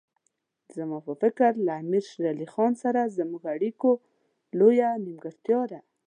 زما په فکر له امیر شېر علي سره زموږ اړیکو لویه نیمګړتیا ده.